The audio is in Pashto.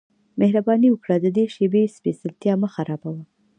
مهرباني وکړه د دې شیبې سپیڅلتیا مه خرابوه